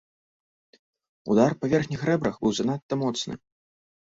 Удар па верхніх рэбрах быў занадта моцны.